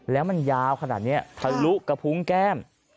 แล้วมันยาวขนาดนี้ทะลุกระพุงแก้ม